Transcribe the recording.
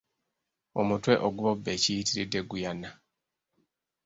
Omutwe ogubobba ekiyitiridde guyana.